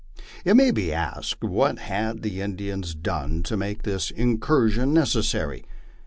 It may be asked, What had the Indians done to make this incursion neces sary?